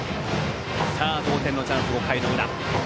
同点のチャンス、５回の裏。